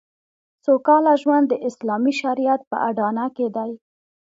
سوکاله ژوند د اسلامي شریعت په اډانه کې دی